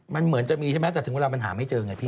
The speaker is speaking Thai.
มันเหมือนจะมีใช่ไหมแต่ถึงเวลามันหาไม่เจอไงพี่